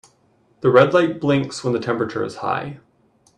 The red light blinks when the temperature is high.